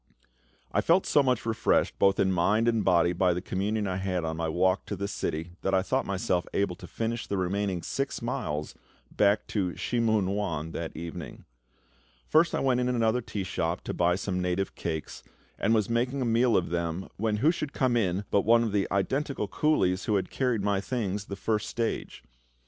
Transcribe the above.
I felt so much refreshed both in mind and body by the communion I had on my walk to the city that I thought myself able to finish the remaining six miles back to Shih mun wan that evening. First I went into another tea shop to buy some native cakes, and was making a meal of them when who should come in but one of the identical coolies who had carried my things the first stage.